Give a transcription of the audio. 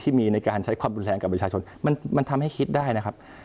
มีการใช้ความรุนแรงกับประชาชนมันทำให้คิดได้นะครับ